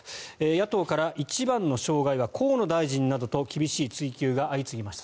野党から、一番の障害は河野大臣などと厳しい追及が相次ぎました。